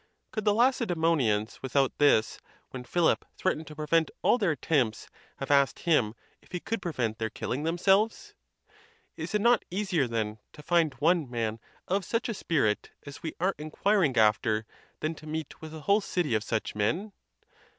Could the Lacedzmonians without this, when Philip threatened to prevent all their attempts, have asked him if he could prevent their killing themselves? Is it not easier, then, to find one man of'such a spirit as we are inquiring after, than to meet with a whole city of such men?